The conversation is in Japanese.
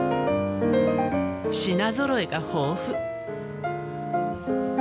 品ぞろえが豊富。